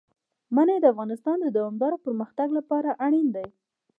منی د افغانستان د دوامداره پرمختګ لپاره اړین دي.